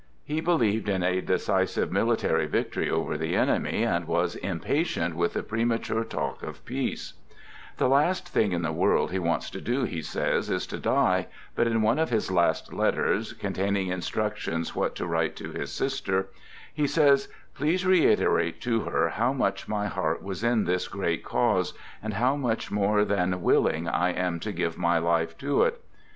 He believed in a decisive military victory over the enemy, and was impatient with the premature talk of peace. 84 "THE GOOD SOLDIER The last thing in the world he wants to do, he says, is to die, but in one of his last letters, containing in structions what to write to his sister, he says: " Please reiterate to her how much my heart was in this great cause, and how much more than willing I am to give my life to it.